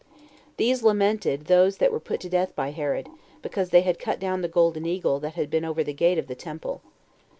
These lamented those that were put to death by Herod, because they had cut down the golden eagle that had been over the gate of the temple.